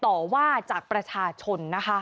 ทีนี้จากรายทื่อของคณะรัฐมนตรี